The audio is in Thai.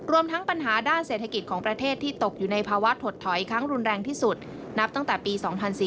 ทั้งปัญหาด้านเศรษฐกิจของประเทศที่ตกอยู่ในภาวะถดถอยครั้งรุนแรงที่สุดนับตั้งแต่ปี๒๔๔